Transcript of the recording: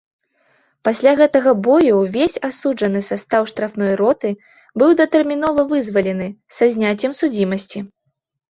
Пасля гэтага бою ўвесь асуджаны састаў штрафной роты быў датэрмінова вызвалены са зняццем судзімасці.